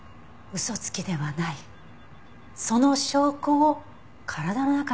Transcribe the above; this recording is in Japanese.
嘘つきではないその証拠を体の中に残しておく？